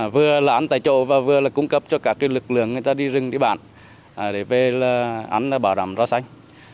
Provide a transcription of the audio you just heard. vừa là ăn tại chỗ và vừa là cung cấp cho các lực lượng người ta đi rừng đi bản để bảo đảm rau xanh